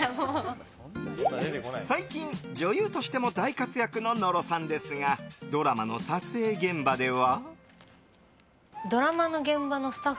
最近、女優としても大活躍の野呂さんですがドラマの撮影現場では。